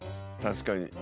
確かに。